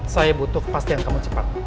saya butuh kepastian kamu cepat